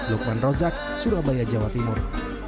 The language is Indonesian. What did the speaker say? lukman rozak surabaya jawa timur